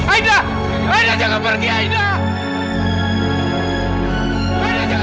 aiden jangan pergi aiden